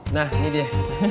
nah ini dia